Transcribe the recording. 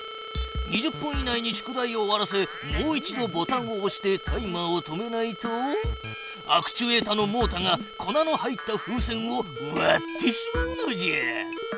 ２０分以内に宿題を終わらせもう一度ボタンをおしてタイマーを止めないとアクチュエータのモータが粉の入った風船をわってしまうのじゃ。